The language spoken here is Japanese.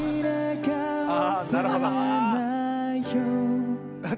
ああなるほど。